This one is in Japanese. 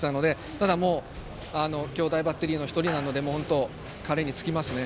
ただ、兄弟バッテリーの１人なので彼に尽きますね。